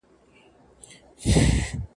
سوسیالیزم د انسان طبعي غوښتنې له پامه غورځوي.